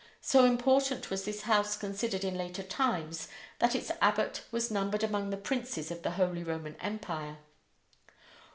So important was this house considered in later times that its abbot was numbered among the princes of the Holy Roman Empire.